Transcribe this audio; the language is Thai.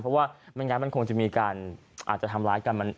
เพราะว่าไม่งั้นมันคงจะมีการอาจจะทำร้ายกัน